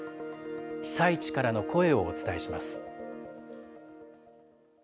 被災地からの声をお伝えします。